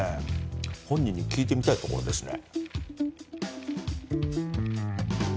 本人に聞いてみたいところですね。